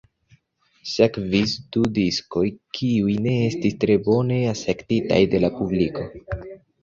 Sekvis du diskoj kiuj ne estis tre bone akceptitaj de la publiko.